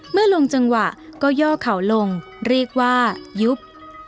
เมื่อลงจังหวะก็ย่อเขาลงเรียกว่ายุบ